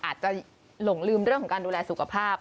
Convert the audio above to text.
อาจจะหลงลืมเรื่องของการดูแลสุขภาพ